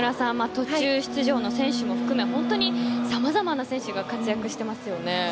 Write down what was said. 途中出場の選手も含め本当にさまざまな選手がそうですよね。